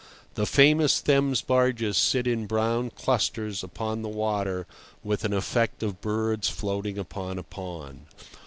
The famous Thames barges sit in brown clusters upon the water with an effect of birds floating upon a pond.